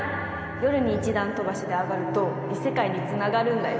夜に１段飛ばしで上がると異世界につながるんだよ。